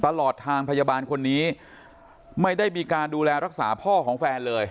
ตลอดทางพยาบาลคนนี้ไม่ได้มีการดูแลรักษาพ่อของแฟนเลย